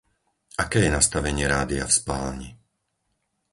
Aké je nastavenie rádia v spálni?